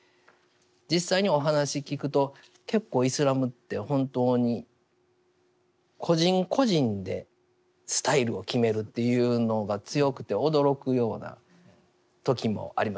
実際にお話聞くと結構イスラムって本当に個人個人でスタイルを決めるっていうのが強くて驚くような時もあります。